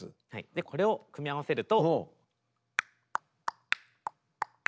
でこれを組み合わせると。